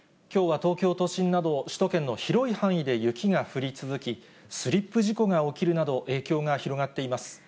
きょうは東京都心など、首都圏の広い範囲で雪が降り続き、スリップ事故が起きるなど、影響が広がっています。